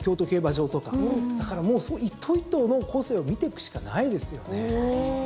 だからもう一頭一頭の個性を見ていくしかないですよね。